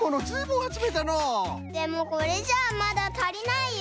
でもこれじゃあまだたりないよ。